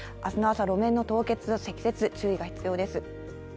朝の明日、路面の凍結や積雪注意が必要です。